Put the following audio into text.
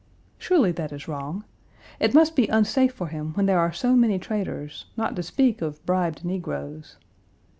Surely that is wrong. It must be unsafe for him when there are so many traitors, not to speak of bribed negroes.